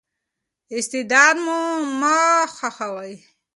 استعداد مو مه خښوئ.